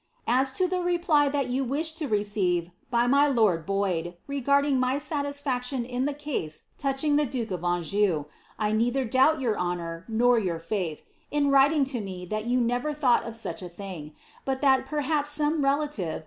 "As to the reply that you wish to receive by my lord Boyd, regarding my ■aiisfaciion in ibe case touching tbe duke of Anjou." I neiiher doubt yont honour nor your faith, in writing lo me Ihai yon nerer iboughi of such a thing, bat thai perhaps some relatiTe."